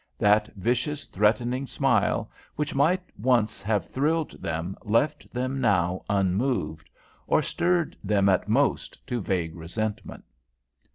That vicious, threatening smile which might once have thrilled them left them now unmoved or stirred them at most to vague resentment.